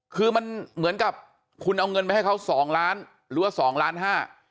คือมันเหมือนกับคุณเอาเงินไปให้เขาสองล้านหรือว่าสองล้านห้า